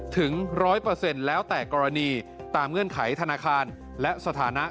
ถึงร้อยเปอร์เซ็นต์แล้วแต่กรณีตามเงื่อนไขธนาคารและสถานะ